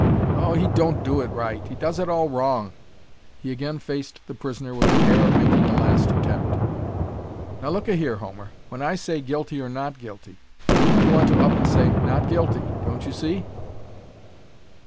"Oh, he don't do it right! He does it all wrong!" He again faced the prisoner with an air of making a last attempt, "Now look a here, Homer, when I say, 'Guilty or not guilty?' you want to up an' say, 'Not Guilty.' Don't you see?"